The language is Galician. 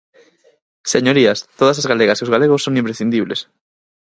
Señorías, todas as galegas e os galegos son imprescindibles.